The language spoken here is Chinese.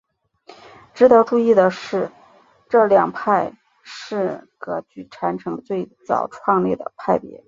值得注意的是这两派是噶举传承最早创立的派别。